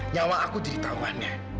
nyawa aku diritahuannya